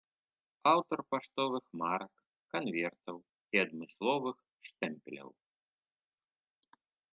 Аўтар паштовых марак, канвертаў і адмысловых штэмпеляў.